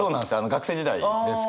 学生時代ですけど。